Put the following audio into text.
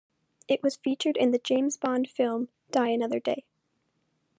It was featured in the James Bond film "Die Another Day".